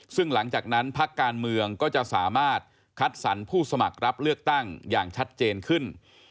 ซึ่งหลังจากนั้นพักการเมืองก็จะสามารถคัดสรรผู้สมัครรับเลือกตั้งอย่างชัดเจนขึ้น